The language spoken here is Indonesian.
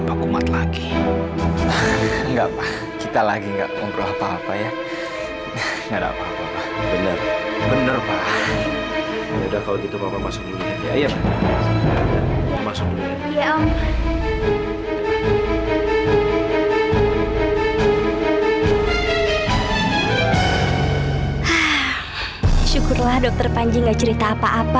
sampai jumpa di video selanjutnya